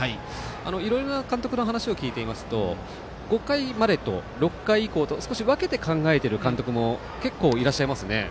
いろいろな監督の話を聞いていますと５回までと、６回以降は分けて考えている監督は結構いらっしゃいますね。